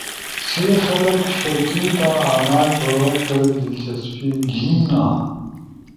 سی خلگ ݜیکیا آنا کوروم در دلچسپی گھیننا۔